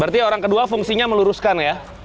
berarti orang kedua fungsinya meluruskan ya